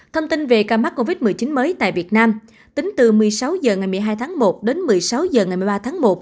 thông tin về ca mắc covid một mươi chín mới tại việt nam tính từ một mươi sáu h ngày một mươi hai tháng một đến một mươi sáu h ngày một mươi ba tháng một